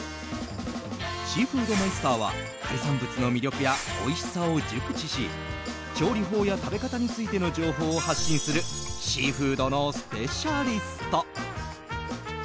シーフードマイスターは海産物の魅力やおいしさを熟知し調理法や、食べ方についての情報を発信するシーフードのスペシャリスト。